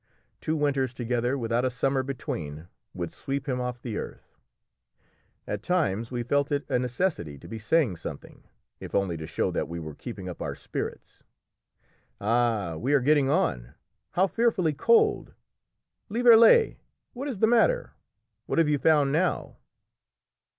Two winters together, without a summer between, would sweep him off the earth! At times we felt it a necessity to be saying something if only to show that we were keeping up our spirits. "Ah, we are getting on! How fearfully cold! Lieverlé, what is the matter? what have you found now?"